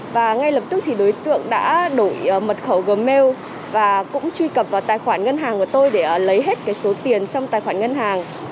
và ngay lập tức thì đối tượng đã đổi mật khẩu gmail và cũng truy cập vào tài khoản ngân hàng của tôi để lấy hết số tiền trong tài khoản ngân hàng